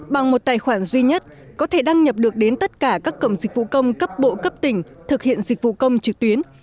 bằng một tài khoản duy nhất có thể đăng nhập được đến tất cả các cổng dịch vụ công cấp bộ cấp tỉnh thực hiện dịch vụ công trực tuyến